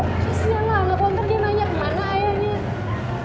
kasian banget lo ntar dia nanya kemana aja nih